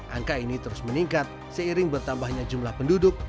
angka ini terus meningkat seiring bertambahnya jumlah penduduk